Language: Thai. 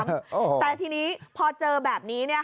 แต่ทีนี้พอเจอแบบนี้